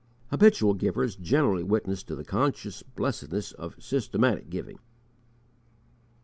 Habitual givers generally witnessed to the conscious blessedness of systematic giving.